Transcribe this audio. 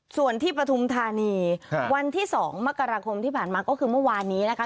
ส่วนที่ปฐุมธานีวันที่๒มกราคมที่ผ่านมาก็คือเมื่อวานนี้นะคะ